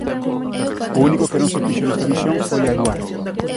O único que non se fixo nesta misión foi aluar.